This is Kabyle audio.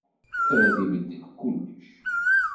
Ad ibeddel kullec.